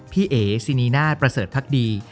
พี่เอ๋ซีนีน่าประเสริฐทักดี